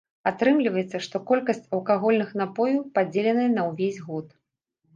Атрымліваецца, што колькасць алкагольных напояў падзеленая на ўвесь год.